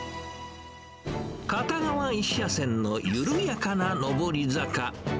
片側１車線の緩やかな上り坂。